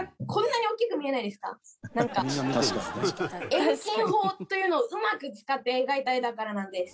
遠近法というのをうまく使って描いた絵だからなんです。